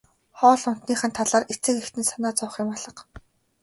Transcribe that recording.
Хоол ундных нь талаар эцэг эхэд нь санаа зовох юм алга.